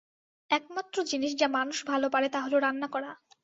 একমাত্র জিনিস যা মানুষ ভালো পারে তা হল রান্না করা।